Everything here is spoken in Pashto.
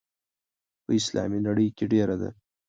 په اسلامي نړۍ کې ډېره ده.